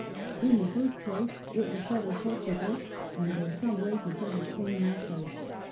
In the fii st place it will settle Portugal, and go some way to settle Spain also. .